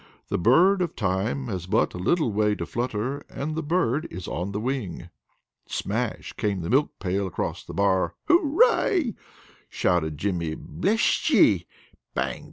The bird of time has but a little way to flutter And the bird is on the wing." Smash came the milk pail across the bar. "Hooray!" shouted Jimmy. "Besht yet!" Bang!